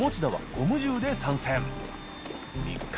ゴム銃で参戦磽各